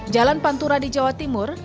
jalan pantura di jawa timur